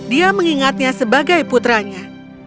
dia mengingatnya sebagai putranya